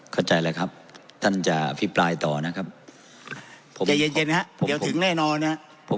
เข้าใจแล้วครับท่านจะอภิปรายต่อนะครับเดี๋ยวถึงแน่นอนนะครับ